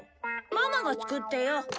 ママが作ってよ。